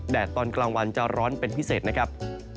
ตอนกลางวันจะร้อนเป็นพิเศษนะครับ